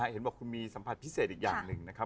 เห็นบอกคุณมีสัมผัสพิเศษอีกอย่างหนึ่งนะครับ